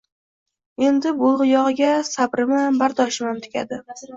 Endi bu yog‘iga sabrimam, bardoshimam tugadi